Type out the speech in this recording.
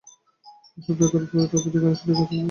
এসব দেখার পরই তাঁদের ঠিকানা সঠিক আছে বলে প্রতিবেদন দেওয়া হয়।